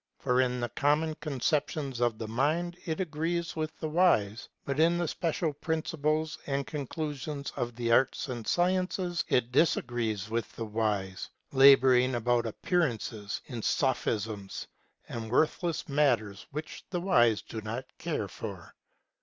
For in the common conceptions of the mind it agrees with the wise ; but in the special principles and conclusions of the arts and sciences it disagrees with the wise, laboring about appearances, in sophisms and worthless matters which the wise do not care for.